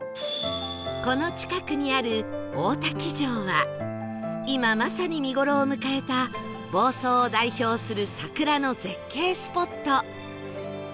この近くにある大多喜城は今まさに見頃を迎えた房総を代表する桜の絶景スポット